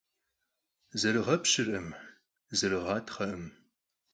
Зэрыгъэпщыркъым, зэрыгъатхъэркъым.